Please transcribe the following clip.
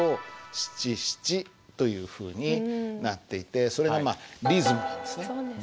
というふうになっていてそれがまあリズムなんですね。